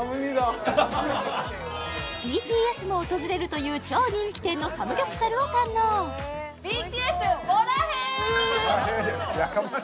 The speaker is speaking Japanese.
ＢＴＳも訪れるという超人気店のサムギョプサルを堪能ＢＴＳボラヘ！